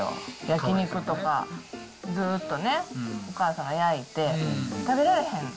焼き肉とか、ずっとね、お母さんが焼いて、食べられへん。